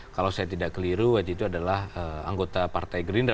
kalau saya tidak keliru waktu itu adalah anggota partai gerindra